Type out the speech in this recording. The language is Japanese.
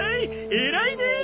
偉いねえ！